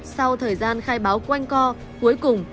sau thời gian khai báo quanh co cuối cùng